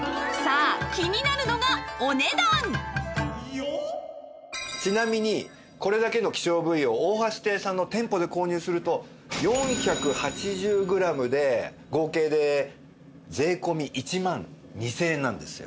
さあちなみにこれだけの希少部位を大橋亭さんの店舗で購入すると４８０グラムで合計で税込１万２０００円なんですよ。